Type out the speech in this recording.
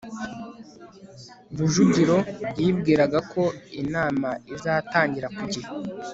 rujugiro yibwiraga ko inama izatangira ku gihe